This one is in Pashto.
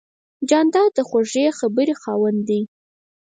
جانداد د خوږې خبرې خاوند دی.